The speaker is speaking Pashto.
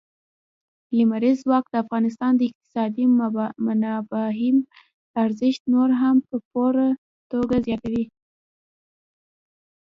لمریز ځواک د افغانستان د اقتصادي منابعم ارزښت نور هم په پوره توګه زیاتوي.